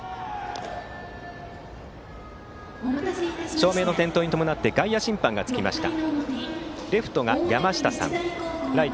照明の点灯に伴って外野審判がつきました。